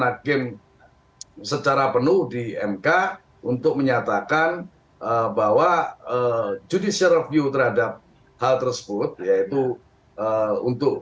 hakim secara penuh di mk untuk menyatakan bahwa judicial review terhadap hal tersebut yaitu untuk